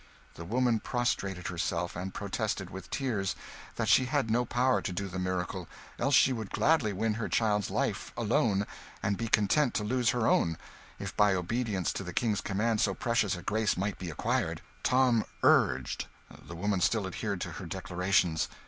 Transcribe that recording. The woman prostrated herself, and protested, with tears, that she had no power to do the miracle, else she would gladly win her child's life alone, and be content to lose her own, if by obedience to the King's command so precious a grace might be acquired. Tom urged the woman still adhered to her declarations.